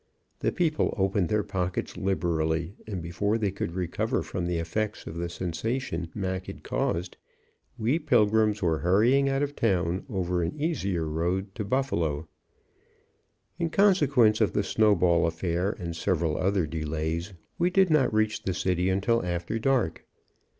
The people opened their pockets liberally, and before they could recover from the effects of the sensation Mac had caused, we pilgrims were hurrying out of town, over an easier road to Buffalo. In consequence of the snowball affair and several other delays, we did not reach the city until after dark.